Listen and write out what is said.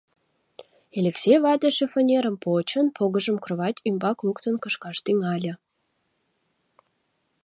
Элексей вате шифоньерым почын, погыжым кровать ӱмбак луктын кышкаш тӱҥале.